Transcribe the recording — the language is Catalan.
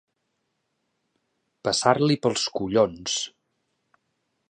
Passar-li pels collons.